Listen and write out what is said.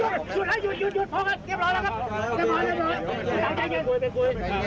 หายุ่นเพราะงั้นเรียบร้อยแล้วครับ